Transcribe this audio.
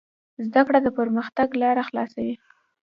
زده کړه د پرمختګ لاره خلاصوي.